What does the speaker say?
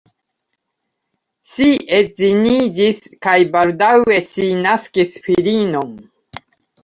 Ŝi edziniĝis kaj baldaŭe ŝi naskis filinon.